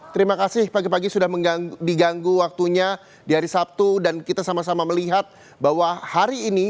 terima kasih pagi pagi sudah diganggu waktunya di hari sabtu dan kita sama sama melihat bahwa hari ini